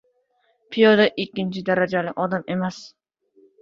Piyoda ikkinchi darajali odam emas!